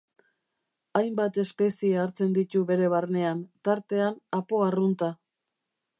Hainbat espezie hartzen ditu bere barnean, tartean apo arrunta.